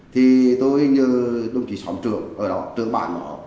thì tôi như đồng chí xóm trưởng ở đó trưởng bán nó